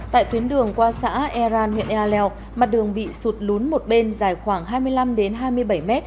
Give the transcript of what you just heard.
tại tuyến đường qua xã e răn huyện ea leo mặt đường bị sụt lún một bên dài khoảng hai mươi năm hai mươi bảy m